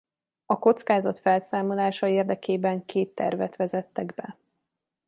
A kockázat felszámolása érdekében két tervet vezettek be.